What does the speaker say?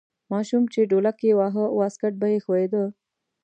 ماشوم چې ډولک یې واهه واسکټ به یې ښویده.